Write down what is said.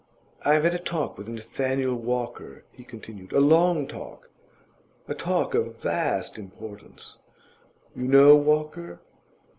'I've had a talk with Nathaniel Walker,' he continued; 'a long talk a talk of vast importance. You know Walker?